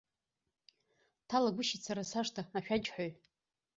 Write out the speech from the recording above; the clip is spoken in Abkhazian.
Дҭалагәышьеит сара сашҭа ашәаџьҳәаҩ.